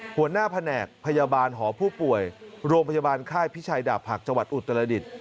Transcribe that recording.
หัวหน้าแผนกพยาบาลหอผู้ป่วยโรงพยาบาลค่ายพิชัยดาบผักจังหวัดอุตรดิษฐ์